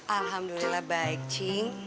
alhamdulillah baik cing